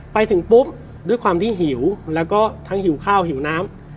ไปถึงปุ๊บด้วยความที่หิวแล้วก็ทั้งหิวข้าวหิวน้ำ